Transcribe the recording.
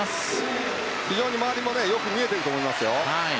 非常に周りもよく見えていると思いますよ。